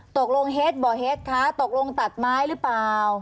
ตกลงเฮ็ดบ่อเฮ็ดคะตกลงตัดไม้หรือเปล่า